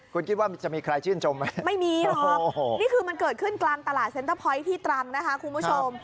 คุณคิดว่าจะมีใครชื่นชมไหมไม่มีหรอกนี่คือมันเกิดขึ้นกลางตลาดเซ็นเตอร์พอยต์ที่ตรังนะคะคุณผู้ชม